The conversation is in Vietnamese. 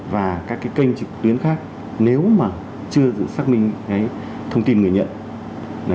và các kênh trực tuyến khác nếu mà chưa xác minh thông tin người nhận